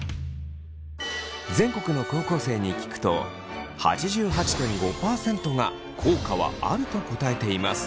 全国の高校生に聞くと８８．５％が「効果はある」と答えています。